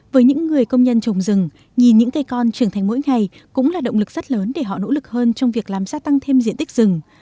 với những người công nhân trồng rừng nhìn những cây con trưởng thành mỗi ngày cũng là động lực rất lớn để họ nỗ lực hơn trong việc làm gia tăng thêm diện tích rừng